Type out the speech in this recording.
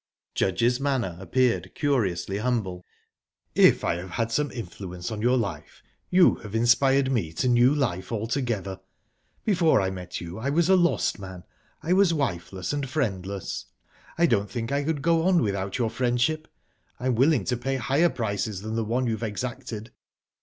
Judge's manner appeared curiously humble. "If I have had some influence on your life, you have inspired me to new life altogether. Before I met you, I was a lost man. I was wifeless and friendless... I don't think I could go on without your friendship. I'm willing to pay higher prices than the one you've exacted."